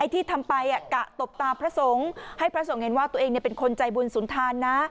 ที่ทำไปกะตบตาพระสงฆ์ให้พระสงฆ์เห็นว่าตัวเองเป็นคนใจบุญสุนทานนะ